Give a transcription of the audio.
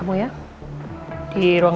namanya yang kita mau pang